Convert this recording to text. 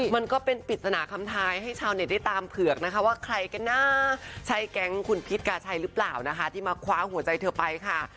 มันก็เป็นปริศนาคำทายให้ชาวเน็ตได้ตามเผือกนะคะว่าใครกันนะใช่แก๊งคุณพิษกาชัยหรือเปล่านะคะที่มาคว้าหัวใจเธอไปค่ะ